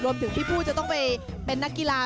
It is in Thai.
รวมถึงพี่พูจะเป็นนักกีฬา